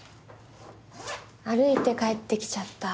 歩いて帰ってきちゃった。